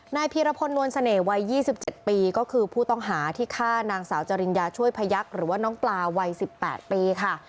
นายพีรพลนวลเสน่ห์วัยยี่สิบเจ็ดปีก็คือผู้ต้องหาที่ฆ่านางสาวจริงยาช่วยพยักษณ์หรือว่าน้องปลาวัยสิบแปดปีค่ะ